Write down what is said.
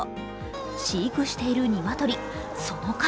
飼育している鶏、その数